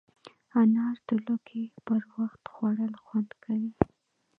انار د لوږې پر وخت خوړل خوند کوي.